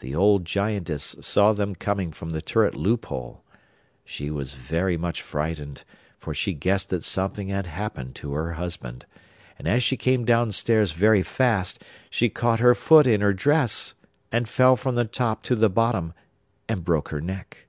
The old Giantess saw them coming from the turret loop hole. She was very much frightened, for she guessed that something had happened to her husband; and as she came downstairs very fast she caught her foot in her dress, and fell from the top to the bottom and broke her neck.